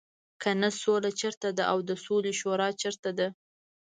کنه سوله چېرته ده او د سولې شورا چېرته ده.